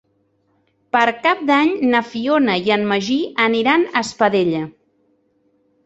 Per Cap d'Any na Fiona i en Magí aniran a Espadella.